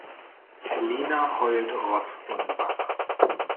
Lina heult Rotz und Wasser.